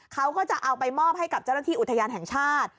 เขาก็จะเอาไปมอบให้กับเจ้าหน้าที่อุทยานแห่งชาติ